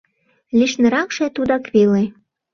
— Лишныракше тудак веле...